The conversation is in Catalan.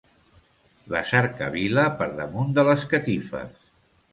La cercavila per damunt de les catifes.